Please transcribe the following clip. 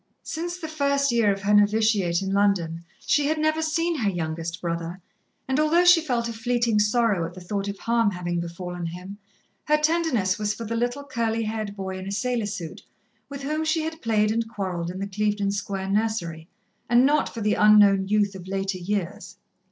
Since the first year of her novitiate in London she had never seen her youngest brother, and although she felt a fleeting sorrow at the thought of harm having befallen him, her tenderness was for the little, curly haired boy in a sailor suit with whom she had played and quarrelled in the Clevedon Square nursery, and not for the unknown youth of later years.